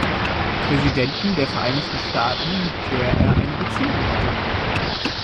Präsidenten der Vereinigten Staaten, mit der er eine Beziehung hatte.